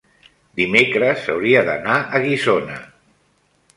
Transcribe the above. dimecres hauria d'anar a Guissona.